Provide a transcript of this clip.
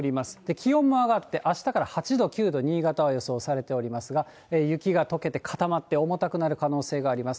気温も上がって、あしたから８度、９度、新潟は予想されておりますが、雪がとけて固まって、重たくなる可能性があります。